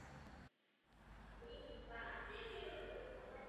Co můžeme od Komise v tomto směru očekávat?